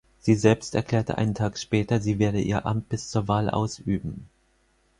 Sie selbst erklärte einen Tag später, sie werde ihr Amt bis zur Wahl ausüben.